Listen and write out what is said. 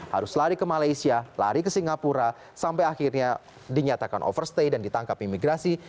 harus lari ke malaysia lari ke singapura sampai akhirnya dinyatakan overstay dan ditangkap imigrasi